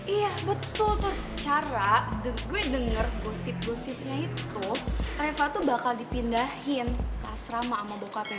iya betul tuh secara the gue denger gosip gosipnya itu reva tuh bakal dipindahin ke asrama sama bocapenya